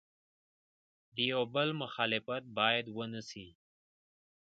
د یو بل مخالفت باید ونسي.